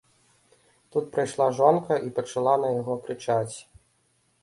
Тут прыйшла жонка і пачала на яго крычаць.